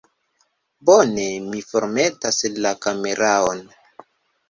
Bone, mi formetas la kameraon